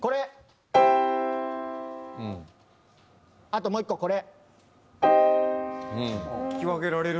あともう１個これ。